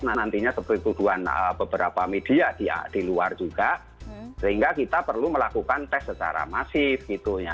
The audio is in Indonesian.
nah nantinya seperti tuduhan beberapa media di luar juga sehingga kita perlu melakukan tes secara masif gitu ya